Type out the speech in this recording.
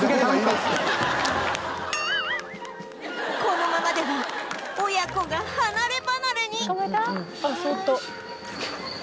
このままでは親子が離ればなれに！